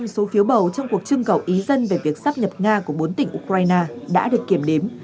một trăm linh số phiếu bầu trong cuộc trưng cầu ý dân về việc sắp nhập nga của bốn tỉnh ukraine đã được kiểm đếm